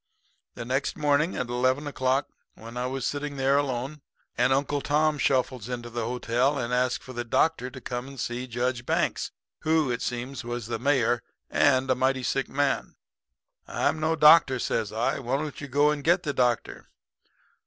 "The next morning at eleven o'clock when I was sitting there alone, an Uncle Tom shuffles into the hotel and asked for the doctor to come and see Judge Banks, who, it seems, was the mayor and a mighty sick man. "'I'm no doctor,' says I. 'Why don't you go and get the doctor?'